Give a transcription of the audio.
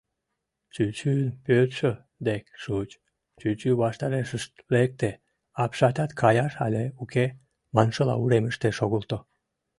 Чӱчӱн пӧртшӧ дек шуыч, чӱчӱ ваштарешышт лекте, апшатат «каяш але уке» маншыла уремыште шогылто.